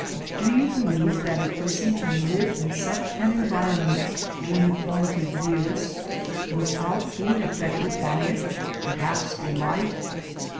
Do you believe that a person can live in such an environment during the formative years without being affected by it, perhaps for life?